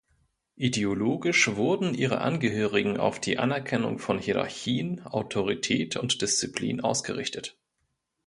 Ideologisch wurden ihre Angehörigen auf die Anerkennung von Hierarchien, Autorität und Disziplin ausgerichtet.